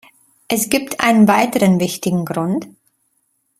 Es gibt einen weiteren wichtigen Grund.